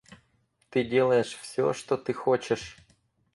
Ты делаешь все, что ты хочешь.